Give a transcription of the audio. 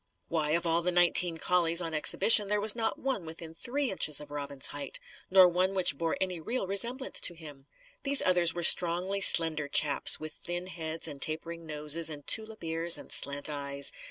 Why, of all the nineteen collies on exhibition, there was not one within three inches of Robin's height, nor one which bore any real resemblance to him. These others were strongly slender chaps, with thin heads and tapering noses and tulip ears and slant eyes.